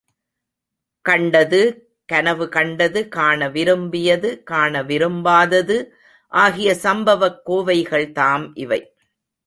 கண்டது, கனவு கண்டது, காண விரும்பியது, காண விரும்பாதது ஆகிய சம்பவக் கோவைகள் தாம் இவை.